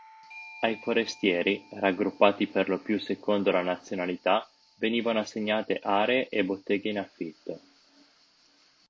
Ai forestieri, raggruppati perlopiù secondo la nazionalità venivano assegnate aree e botteghe in affitto.